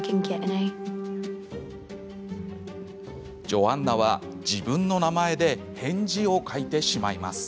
ジョアンナは自分の名前で返事を書いてしまいます。